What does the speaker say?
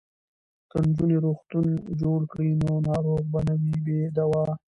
که نجونې روغتون جوړ کړي نو ناروغ به نه وي بې دواه.